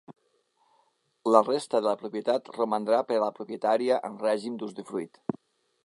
La resta de la propietat romandrà per a la propietària en règim d’usdefruit.